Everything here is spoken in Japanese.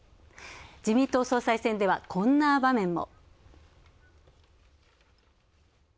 自民党総裁選では、こんな場面も。